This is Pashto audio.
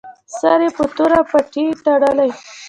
سر یې په توره پټۍ تړلی.